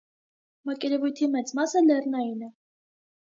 Մակերևույթի մեծ մասը լեռնային է։